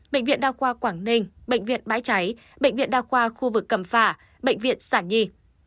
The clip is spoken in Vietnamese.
bệnh viện đao khoa quảng ninh bệnh viện bãi cháy bệnh viện đao khoa khu vực cầm phả bệnh viện sản nhi